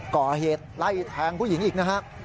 ก่อเหตุไล่แทงผู้หญิงอีกนะครับ